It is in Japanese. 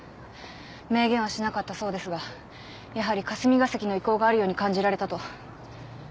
明言はしなかったそうですがやはり霞が関の意向があるように感じられたと。